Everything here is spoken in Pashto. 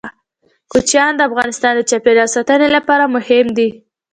کوچیان د افغانستان د چاپیریال ساتنې لپاره مهم دي.